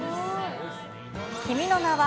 君の名は。